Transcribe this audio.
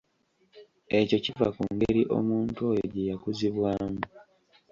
Ekyo kiva ku ngeri omuntu oyo gye yakuzibwamu.